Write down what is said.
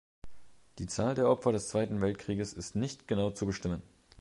Die Zahl der Opfer des Zweiten Weltkrieges ist nicht genau zu bestimmen.